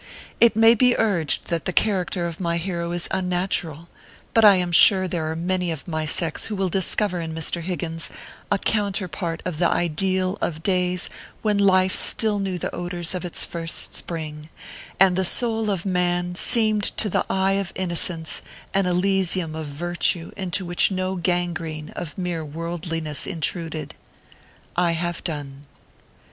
It may be urged that the character of my hero is unnatural ; but I am sure there are many of my sex who will discover in Mr. Higgins a counter part of the ideal of days when life still knew the odors of its first spring, and the soul of man seemed to the eye of innocence an elysium of virtue into which no gangrene of mere worldliness intruded. I have done.